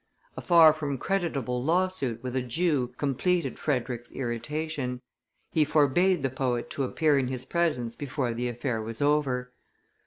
A far from creditable lawsuit with a Jew completed Frederick's irritation. He forbade the poet to appear in his presence before the affair was over.